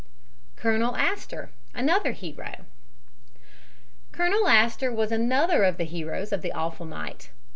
COLONEL ASTOR ANOTHER HERO Colonel Astor was another of the heroes of the awful night.